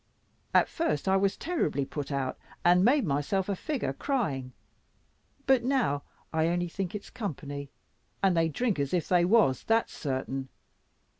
At first I was terribly put out, and made myself a figure crying; but now I only think it's company, and they drink as if they was, that's certain.